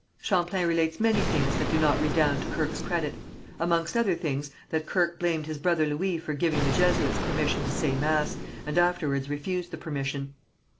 Champlain relates many things that do not redound to Kirke's credit, amongst other things that Kirke blamed his brother Louis for giving the Jesuits permission to say mass, and afterwards refused the permission.